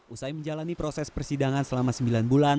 usai menjalani proses persidangan selama sembilan bulan